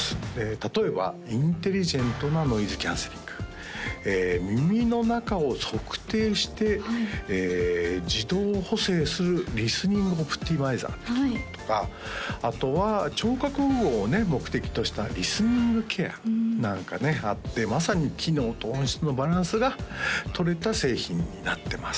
例えばインテリジェントなノイズキャンセリング耳の中を測定して自動補正するリスニングオプティマイザーって機能とかあとは聴覚保護を目的としたリスニングケアなんかねあってまさに機能と音質のバランスがとれた製品になってます